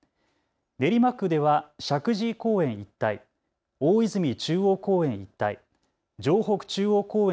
練馬区では石神井公園一帯、大泉中央公園一帯、城北中央公園